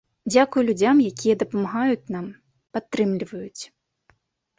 Дзякуй людзям, якія дапамагаюць нам, падтрымліваюць.